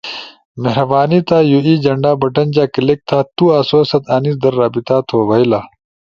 مہربانی تھا یو ای جھنڈا بٹن جا کلک تھا۔ تو آسو ست انیس در رابطہ تھو بئیلا۔